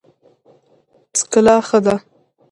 څکلا ښه ده.